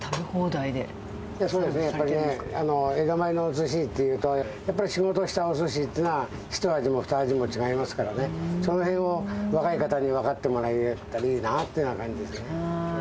やっぱり江戸前のすしっていうと、やっぱり仕事をしたおすしっていうのは、ひと味もふた味も違いますからね、そのへんを若い方に分かってもらえたらいいなっていう感じですよ